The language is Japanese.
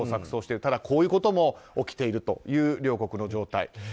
そういう中でこういうことも起きているという両国の状態。